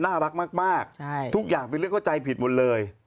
น่ารักมากทุกอย่างเป็นเรื่องเข้าใจผิดหมดเลย